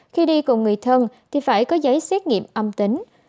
khi đi cùng người thân thì phải có giấy xét nghiệm âm tính